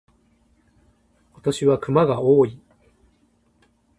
今年は熊が多い。